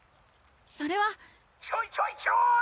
それは「ちょいちょいちょい！」